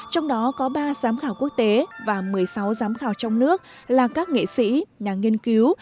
trong đó có ba giám khảo quốc tế và một mươi sáu giám khảo trong nước là các nghệ sĩ nhà nghiên cứu